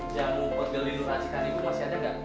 jamu potgel lindung rasikan ibu masih ada gak